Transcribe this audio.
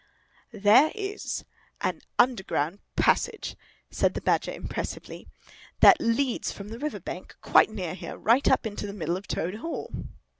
"There—is—an—underground—passage," said the Badger, impressively, "that leads from the river bank, quite near here, right up into the middle of Toad Hall."